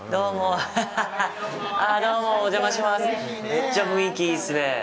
めっちゃ雰囲気いいっすね。